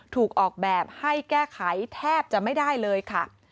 ถูกออกแบบให้แก้ไขแทบจะไม่ได้เลยค่ะ